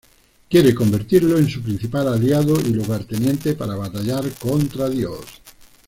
Quiere convertirlo en su principal aliado y lugarteniente para batallar contra Dios.